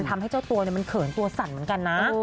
ทำให้เจ้าตัวมันเขินตัวสั่นเหมือนกันนะ